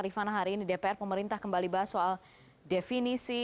rifana hari ini dpr pemerintah kembali bahas soal definisi